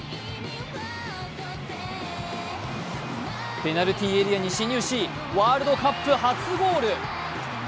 ペナルティーエリアに進入しワールドカップ初ゴール。